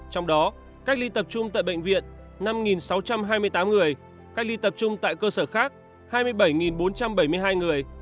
trong đó cách ly tập trung tại bệnh viện năm sáu trăm hai mươi tám người cách ly tập trung tại cơ sở khác hai mươi bảy bốn trăm bảy mươi hai người